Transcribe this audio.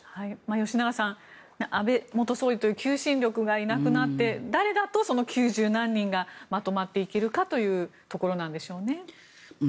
吉永さん安倍元総理という求心力がいなくなって誰だと９０何人がまとまっていけるかというところなんでしょうね。